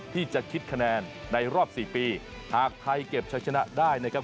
ที่จะคิดคะแนนในรอบสี่ปีหากไทยเก็บใช้ชนะได้นะครับ